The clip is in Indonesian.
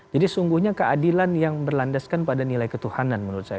jadi sungguhnya keadilan yang berlandaskan pada nilai ketuhanan menurut saya